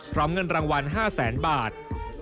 พร้อมเงินรางวัล๕แสนบาท